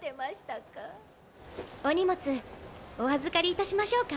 お荷物お預かりいたしましょうか？